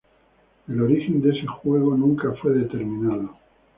El origen de ese juego nunca fue determinado.